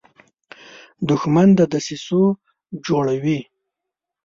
دښمن د دسیسو جوړه وي